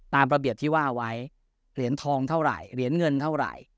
ตามระเบียบที่ว่าไว้เหรียญทองเท่าไหร่เหรียญเงินเท่าไหร่